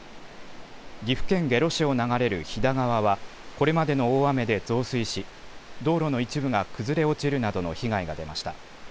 岐阜県下呂市を流れる飛騨川は、これまでの大雨で増水し、道路の一部が崩れ落ちるなどの被害が出ました。